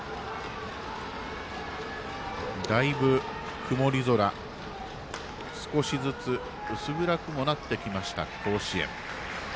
だいぶ、曇り空少しずつ薄暗くもなってきました甲子園。